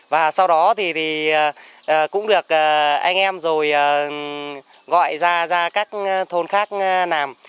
và sau đó thì cũng được anh em rồi gọi ra các thôn khác làm